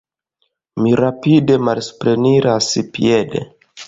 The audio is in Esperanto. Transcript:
Mi rapide malsupreniras piede.